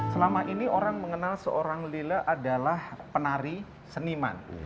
selama ini orang mengenal seorang lila adalah penari seniman